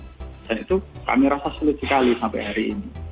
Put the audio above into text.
dan itu kami merasa sulit sekali sampai hari ini